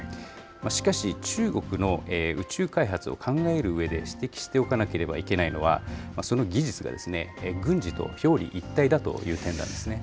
しかし、中国の宇宙開発を考えるうえで指摘しておかなければいけないのは、その技術が軍事と表裏一体だという点なんですね。